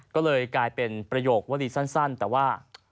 ก็เลยกลายเป็นประโยควรีสั้นแต่ว่า